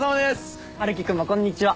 春樹君もこんにちは。